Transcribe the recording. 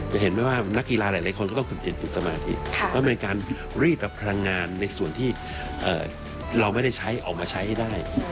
เห็นไหมว่านักกีฬาหลายคนก็ต้องฝึกจิตฝึกสมาธิแล้วเป็นการรีดกับพลังงานในส่วนที่เราไม่ได้ใช้ออกมาใช้ให้ได้